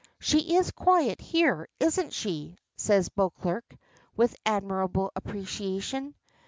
"She is quiet here, isn't she?" says Beauclerk, with admirable appreciation.